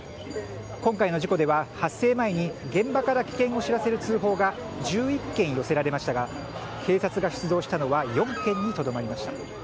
今回の事故では発生前に現場から危険を知らせる通報が１１件寄せられましたが警察が出動したのは４件にとどまりました。